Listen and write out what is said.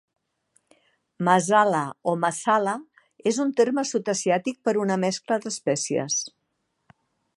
"Masala" o "massala" és un terme sud-asiàtic per una mescla d'espècies.